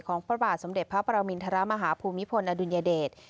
พระบาทสมเด็จพระปรมินทรมาฮภูมิพลอดุลยเดช